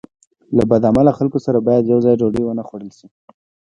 له بد عمله خلکو سره باید یوځای ډوډۍ ونه خوړل شي.